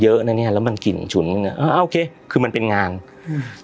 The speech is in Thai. เยอะนะเนี้ยแล้วมันกลิ่นฉุนอ่ะอ่าโอเคคือมันเป็นงานอืม